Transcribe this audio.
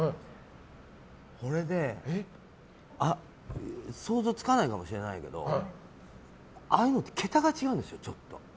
これで想像つかないかもしれないけどああいうのって桁が違うんですよ。